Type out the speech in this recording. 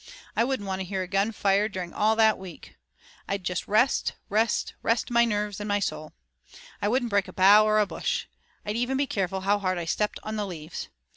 I wouldn't want to hear a gun fired during all that week. I'd just rest, rest, rest my nerves and my soul. I wouldn't break a bough or a bush. I'd even be careful how hard I stepped on the leaves.